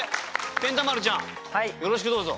ペンた丸ちゃんよろしくどうぞ。